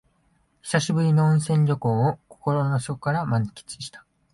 久しぶりの温泉旅行を心の底から満喫した